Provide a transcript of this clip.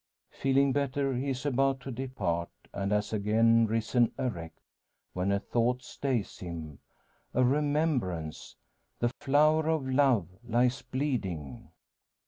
Feeling better he is about to depart, and has again risen erect, when a thought stays him a remembrance "The flower of love lies bleeding."